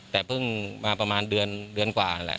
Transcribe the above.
แต่เพิ่งมาประมาณเดือนกว่าแหละ